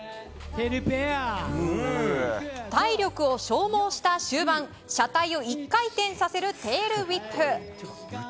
体力を消耗した終盤車体を１回転させるテールウィップ。